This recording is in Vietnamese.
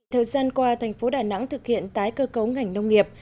thời gian qua thành phố đà nẵng thực hiện tái cơ cấu ngành nông nghiệp